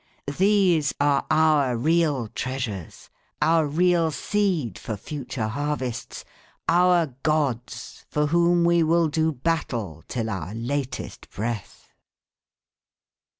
These are our real treasures, our real seed for future harvests, our gods for whom we will do battle till our latest breath."